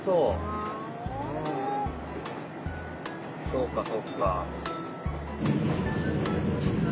そうかそうか。